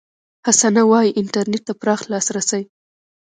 حسنه وايي، انټرنېټ ته پراخ لاسرسي